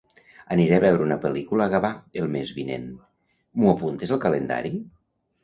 Aniré a veure una pel·lícula a Gavà el mes vinent; m'ho apuntes al calendari?